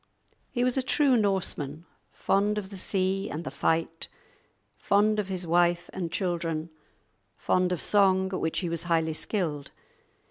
He was a true Norseman, fond of the sea and the fight, fond of his wife and children, fond of song, at which he was highly skilled.